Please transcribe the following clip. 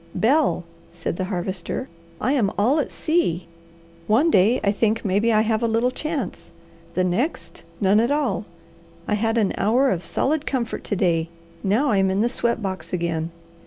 "Bel," said the Harvester, "I am all at sea. One day I think maybe I have a little chance, the next none at all. I had an hour of solid comfort to day, now I'm in the sweat box again.